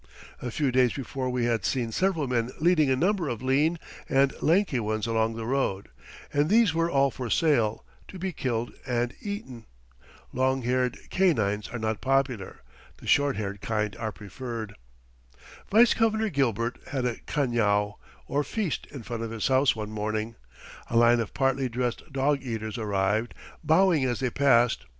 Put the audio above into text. A few days before we had seen several men leading a number of lean and lanky ones along the road, and these were all for sale, to be killed and eaten. Long haired canines are not popular, the short haired kind are preferred. Vice Governor Gilbert had a cañao, or feast, in front of his house one morning. A line of partly dressed dog eaters arrived, bowing as they passed.